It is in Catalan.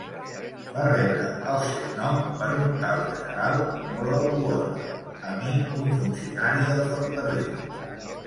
Va rebre el seu nom per un tal general Broadwater, amic d'un funcionari del ferrocarril.